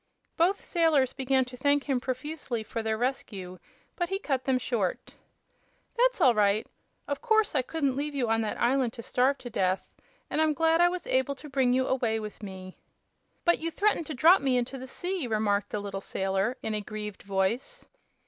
Both sailors began to thank him profusely for their rescue, but he cut them short. "That's all right. Of course I couldn't leave you on that island to starve to death, and I'm glad I was able to bring you away with me." "But you threatened to drop me into the sea," remarked the little sailor, in a grieved voice.